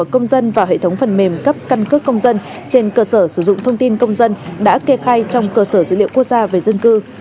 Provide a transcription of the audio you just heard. công dân vào hệ thống phần mềm cấp căn cước công dân trên cơ sở sử dụng thông tin công dân đã kê khai trong cơ sở dữ liệu quốc gia về dân cư